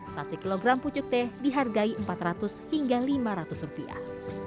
satu kilogram pucuk teh dihargai empat ratus hingga lima ratus rupiah